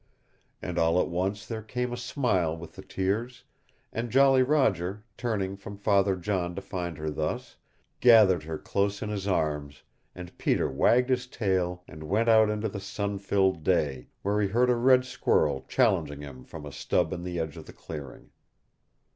And all at once there came a smile with the tears, and Jolly Roger turning from Father John to find her thus gathered her close in his arms, and Peter wagged his tail and went out into the sun filled day, where he heard a red squirrel challenging him from a stub in the edge of the clearing.